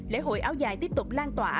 lễ hội áo dài tiếp tục lan tỏa